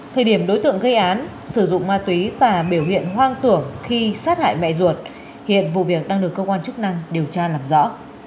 thời điểm đối tượng gây án sử dụng ma túy và biểu hiện hoang tưởng khi sát hại mẹ ruột hiện vụ việc đang được cơ quan chức năng điều tra làm rõ